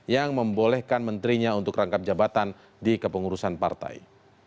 yang membolehkan menterinya untuk rangkap jabatan di kepengurusan partai